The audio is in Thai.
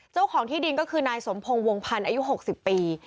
เจ้าของที่ดินก็คือนายสมพงศ์วงพันธ์อายุ๖๐ปี